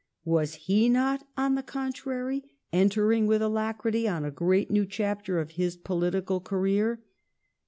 was he not, on the contrary, entering with alacrity on a great new chapter of his political career